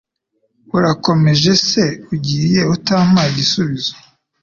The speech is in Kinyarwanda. Urakomeje se ugiye utampaye igisubizo